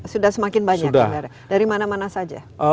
sudah semakin banyak dari mana mana saja